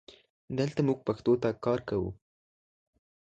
دلته مونږ پښتو ته کار کوو